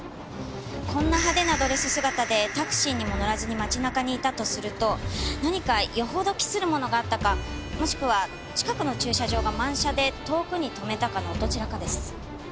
こんな派手なドレス姿でタクシーにも乗らずに街中にいたとすると何か余程期するものがあったかもしくは近くの駐車場が満車で遠くに止めたかのどちらかです。